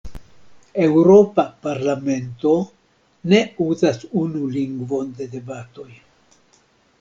Eŭropa Parlamento ne uzas unu lingvon de debatoj.